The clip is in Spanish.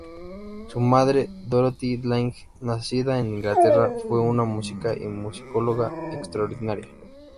Su madre, Dorothy Ling, nacida en Inglaterra, fue una música y musicóloga extraordinaria.